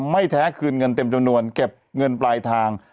ไม่แท้คืนเงินเต็มจำนวนเก็บเงินปลายทาง